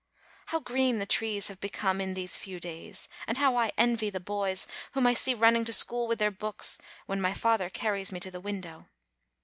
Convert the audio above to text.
How green the trees have become in these few days ! And how I envy the boys whom I see running to school with their books when my father carries me to the window!